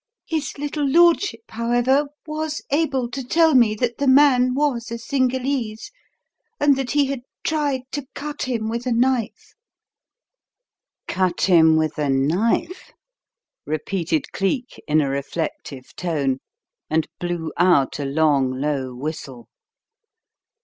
His little lordship, however, was able to tell me that the man was a Cingalese, and that he had 'tried to cut him with a knife.'" "Cut him with a knife?" repeated Cleek in a reflective tone, and blew out a long, low whistle.